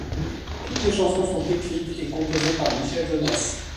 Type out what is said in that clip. Toutes les chansons sont écrites et composées par Michel Jonasz.